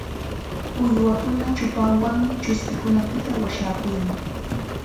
Uywakuna chupanwanmi chuspikunapita washakuyan.